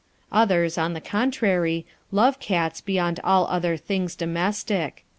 Others, on the contrary, love cats beyond all other "things domestic."